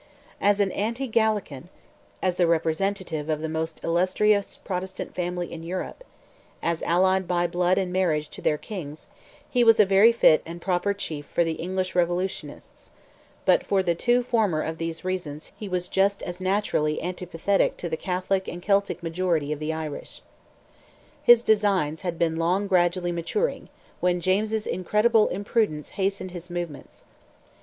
As an anti Gallican, as the representative of the most illustrious Protestant family in Europe, as allied by blood and marriage to their kings, he was a very fit and proper chief for the English revolutionists; but for the two former of these reasons he was just as naturally antipathetic to the Catholic and Celtic majority of the Irish. His designs had been long gradually maturing, when James's incredible imprudence hastened his movements.